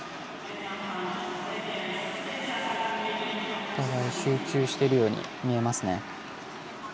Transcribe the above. お互い集中しているように見えますね。